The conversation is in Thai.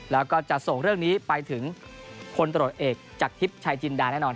แล้วก็จะส่งเรื่องนี้ไปถึงคนตรวจเอกจากทิพย์ชายจินดาแน่นอน